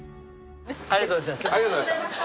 ありがとうございます。